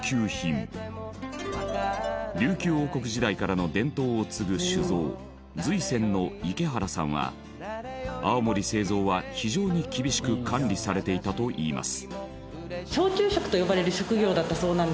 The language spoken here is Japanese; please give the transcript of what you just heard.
琉球王国時代からの伝統を継ぐ酒造瑞泉の池原さんは泡盛製造は非常に厳しく管理されていたといいます。